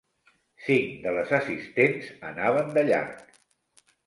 Cinc de les assistents anaven de llarg.